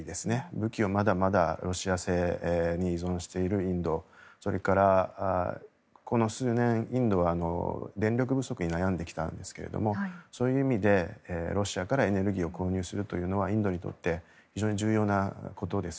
武器をまだまだロシア製に依存しているインドそれから、この数年インドは電力不足に悩んできたんですがそういう意味でロシアからエネルギーを購入するというのはインドにとって非常に重要なことです。